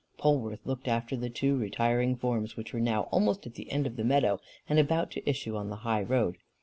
Polwarth looked after the two retiring forms, which were now almost at the end of the meadow, and about to issue on the high road.